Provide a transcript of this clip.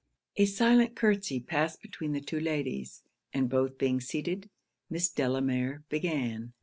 A silent curtsey passed between the two ladies and both being seated, Miss Delamere began.